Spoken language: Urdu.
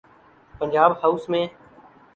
پنجاب ہاؤس میں۔